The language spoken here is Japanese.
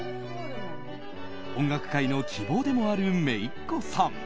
音楽界の希望でもあるめいっ子さん。